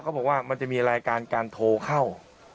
บอกว่ามันจะมีรายการการโทรเข้า